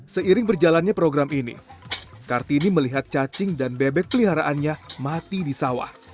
seiring berjalannya program ini kartini melihat cacing dan bebek peliharaannya mati di sawah